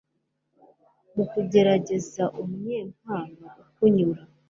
mu kugaragaza umunyempano ukunyura